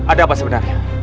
ada apa sebenarnya